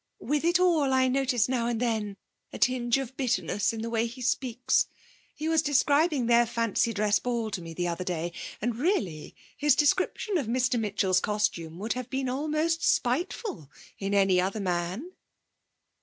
With it all I notice now and then a tinge of bitterness in the way he speaks. He was describing their fancy dress ball to me the other day, and really his description of Mr Mitchell's costume would have been almost spiteful in any other man.'